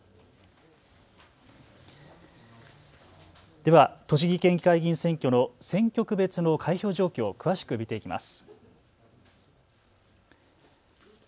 では、栃木県議会議員選挙の選挙区別の開票状況を詳しく見ていきます。